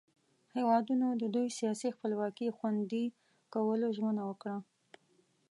هیوادونو د دوئ سیاسي خپلواکي خوندي کولو ژمنه وکړه.